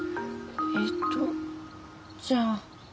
えっとじゃあ。